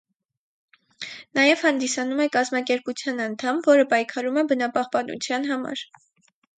Նաև հանդիսանում է կազմակերպության անդամ, որը պայքարում է բնապահպանության համար։